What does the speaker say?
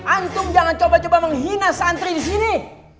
antung jangan coba coba menghina santri di sini